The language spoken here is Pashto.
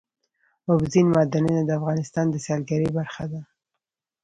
اوبزین معدنونه د افغانستان د سیلګرۍ برخه ده.